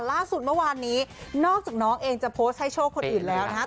ล่าสุดเมื่อวานนี้นอกจากน้องเองจะโพสต์ให้โชคคนอื่นแล้วนะครับ